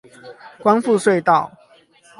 光復隧道